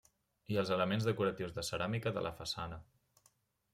I els elements decoratius de ceràmica de la façana.